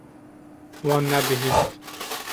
Wan nebihîst.